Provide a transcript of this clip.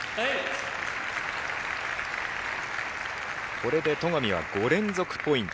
これで戸上は５連続ポイント。